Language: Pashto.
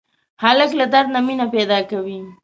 هلک له درد نه مینه پیدا کوي.